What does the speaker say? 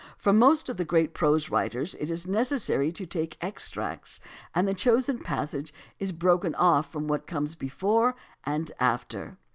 From most of the great prose writers it is necessary to take extracts, and the chosen passage is broken off from what comes before and after.